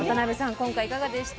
今回いかがでした？